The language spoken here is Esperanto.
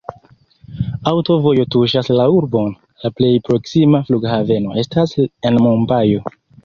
Aŭtovojo tuŝas la urbon, la plej proksima flughaveno estas en Mumbajo.